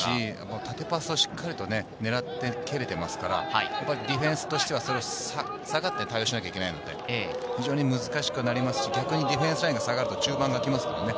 縦パスを、しっかり狙って蹴れていますから、ディフェンスとしては下がって対応しなきゃいけないので、非常に難しくなりますし、逆にディフェンスラインが下がると中盤が空きますからね。